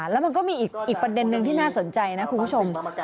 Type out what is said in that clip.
แล้วมันก็มีอีกประเด็นนึงที่น่าสนใจนะคุณผู้ชม